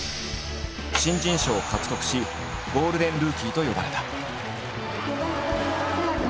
新人賞を獲得し「ゴールデンルーキー」と呼ばれた。